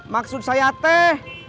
maksud saya teh